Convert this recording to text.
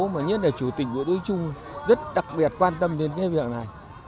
mà nhất là chủ tịch của đối chung rất đặc biệt quan tâm đến cái việc này